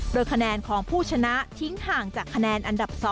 โดยคะแนนของผู้ชนะทิ้งห่างจากคะแนนอันดับ๒